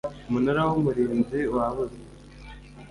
Umunara w Umurinzi wabuze